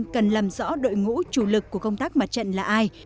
cần làm rõ đội ngũ chủ lực của công tác mặt trận là ai